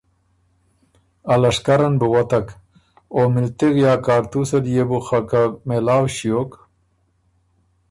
ا لشکرن بُو وتک، او ملتِغ یا کاړتوس ال يې بو خه که مېلاؤ ݭیوک